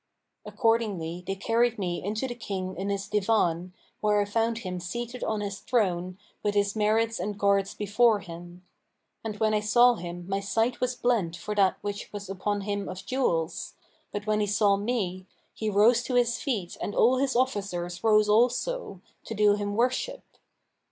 Accordingly, they carried me into the King in his Divan, where I found him seated on his throne, with his Marids and guards before him; and when I saw him my sight was blent for that which was upon him of jewels; but when he saw me, he rose to his feet and all his officers rose also, to do him worship.